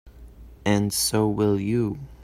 And so will you.